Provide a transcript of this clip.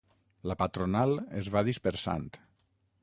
La patronal es va dispersant.